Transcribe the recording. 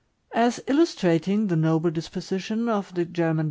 As illustrating the noble disposition of the German Wis.